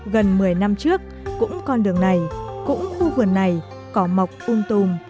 gần một mươi năm trước cũng con đường này cũng khu vườn này có mộc ung tùm